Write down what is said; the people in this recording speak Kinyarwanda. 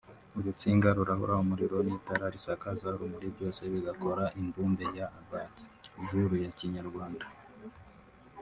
urutsinga rurahura umuriro n’itara risakaza urumuri byose bigakora imbumbe ya Abats-jour ya Kinyarwanda